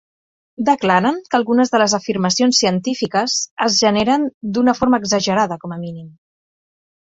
Declaren que algunes de les afirmacions científiques es generen d"una forma exagerada, com a mínim.